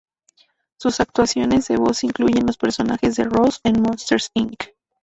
Sus actuaciones de voz incluyen los personajes de Roz en "Monsters, Inc.